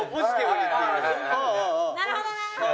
なるほどね！